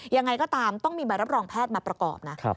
ยังไงก็ตามต้องมีใบรับรองแพทย์มาประกอบนะ